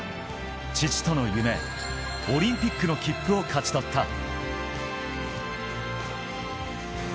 父との夢、オリンピックの切符を勝ち取った。